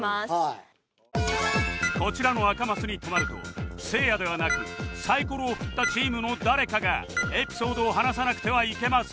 こちらの赤マスに止まるとせいやではなくサイコロを振ったチームの誰かがエピソードを話さなくてはいけません